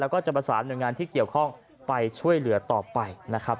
แล้วก็จะประสานหน่วยงานที่เกี่ยวข้องไปช่วยเหลือต่อไปนะครับ